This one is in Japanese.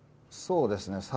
そうですね。